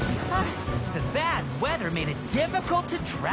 あ！